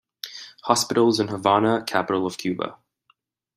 Hospitals in Havana, capital of Cuba.